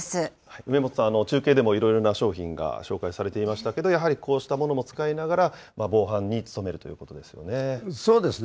梅本さん、中継でもいろいろな商品が紹介されていましたけれども、やはりこうしたものも使いながら、防犯に努めるということそうですね。